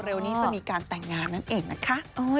นี้จะมีการแต่งงานนั่นเองนะคะ